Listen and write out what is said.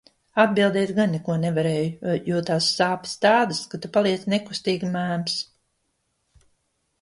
Atbildēt gan neko nevarēju, jo tās sāpes tādas, ka tu paliec nekustīgi mēms.